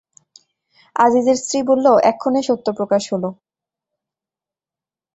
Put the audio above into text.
আযীযের স্ত্রী বলল, এক্ষণে সত্য প্রকাশ হল।